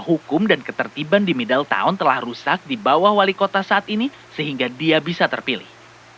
hukum dan ketertiban di middletown telah rusak di bawah wali kota saat ini sehingga dia bisa terpilih